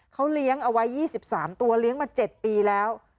เขาเลี้ยงเอาไว้๒๓ตัวเลี้ยงมา๗ปีแล้ว